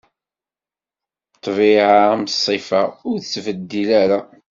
Ṭṭbiɛa am ṣṣifa, ur tettbeddil ara.